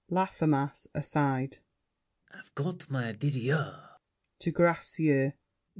LAFFEMAS (aside). I've got my Didier! [To Gracieux.